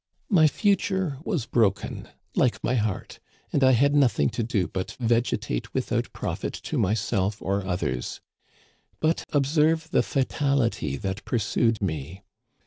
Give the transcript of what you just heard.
" My future was broken, like my heart, and I had nothing to do but vegetate without profit to myself or others. But observe the fatality that pursued me.